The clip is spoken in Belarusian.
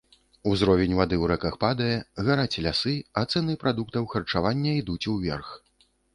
Узровень вады ў рэках падае, гараць лясы, а цэны прадуктаў харчавання ідуць уверх.